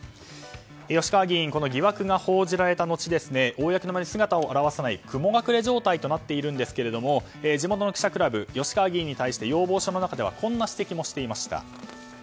吉川議員この疑惑が報じられたのち公の場に姿を現さない雲隠れ状態となっているんですが地元の記者クラブ吉川議員に対して要望書の中ではこんな指摘もしていまいた。